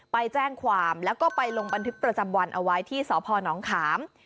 ไปแจ้งความแล้วก็ไปลงบันทึกประจำวันเอาไว้ที่สพนขาม